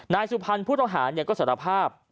นายสุพรรณผู้ต้องหาก็สารภาพ